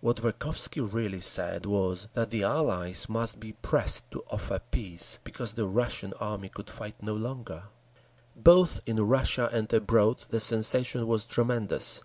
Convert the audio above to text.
What Verkhovsky really said was that the Allies must be pressed to offer peace, because the Russian army could fight no longer…. Both in Russia and abroad the sensation was tremendous.